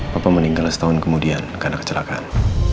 bapak meninggal setahun kemudian karena kecelakaan